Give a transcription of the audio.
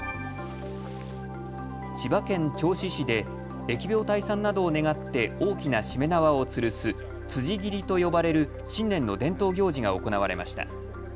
千葉県銚子市で疫病退散などを願って大きなしめ縄をつるす辻切りと呼ばれる新年の伝統行事が行われました。